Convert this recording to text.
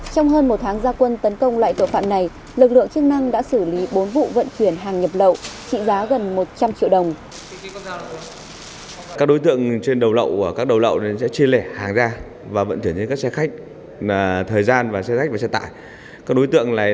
trong hơn một tháng gia quân tấn công loại tội phạm này lực lượng chức năng đã xử lý bốn vụ vận chuyển hàng nhập lậu trị giá gần một trăm linh triệu đồng